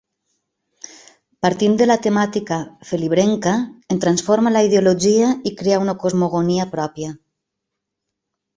Partint de la temàtica felibrenca, en transforma la ideologia i crea una cosmogonia pròpia.